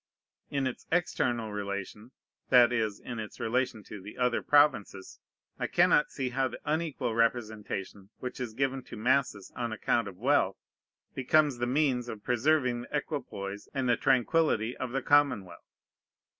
In its external relation, that is, in its relation to the other provinces, I cannot see how the unequal representation which is given to masses on account of wealth becomes the means of preserving the equipoise and the tranquillity of the commonwealth.